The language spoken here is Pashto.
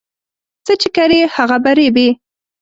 څه چې کرې، هغه به ريبې